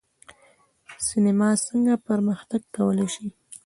سینما څنګه پرمختګ کولی شي؟